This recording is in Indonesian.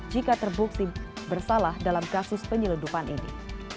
jika terbukti bersalah dalam kasus penyelundupan ini